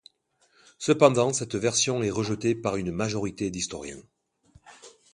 Cependant cette version est rejetée par une majorité d'historiens.